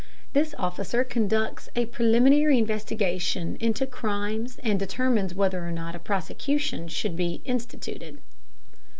This officer conducts a preliminary investigation into crimes and determines whether or not a prosecution should be instituted.